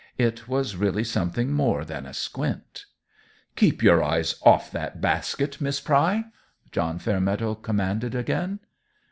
It was really something more than a squint. "Keep your eyes off that basket, Miss Pry!" John Fairmeadow commanded, again.